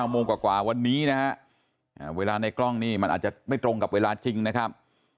โมงกว่าวันนี้นะฮะเวลาในกล้องนี่มันอาจจะไม่ตรงกับเวลาจริงนะครับ